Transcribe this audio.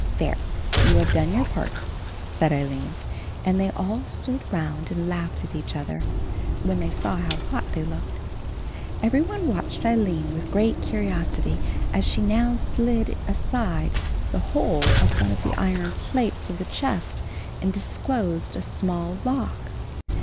"There, you have done your part," said Aline, and they all stood round and laughed at each other, when they saw how hot they looked. Every one watched Aline with great curiosity as she now slid aside the whole of one of the iron plates of the chest and disclosed a small lock.